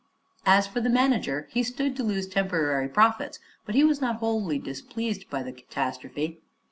As for the manager, he stood to lose temporary profits but was not wholly displeased by the catastrophe.